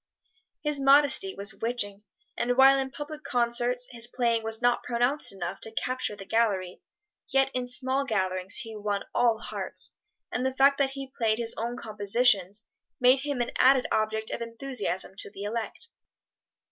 His modesty was witching, and while in public concerts his playing was not pronounced enough to capture the gallery, yet in small gatherings he won all hearts, and the fact that he played his own compositions made him an added object of enthusiasm to the elect.